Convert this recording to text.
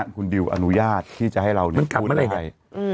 คุณดิวอนุญาตที่จะให้เราพูดได้